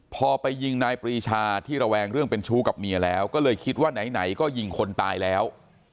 พอไปยิงนายปรีชาที่ระแวงเรื่องเป็นชู้กับเมียแล้วก็เลยคิดว่าไหนก็ยิงคนตายแล้ว